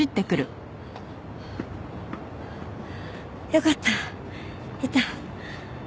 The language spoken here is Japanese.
よかったいた。